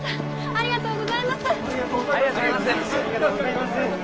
ありがとうございます！